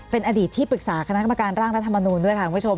เป็นอดีตที่ปรึกษาคณะกรรมการร่างรัฐมนูลด้วยค่ะคุณผู้ชม